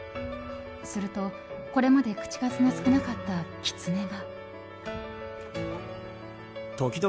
すると、これまで口数の少なかったキツネが。